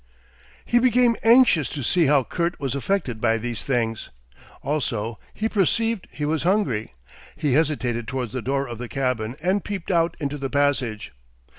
He became anxious to see how Kurt was affected by these things. Also he perceived he was hungry. He hesitated towards the door of the cabin and peeped out into the passage.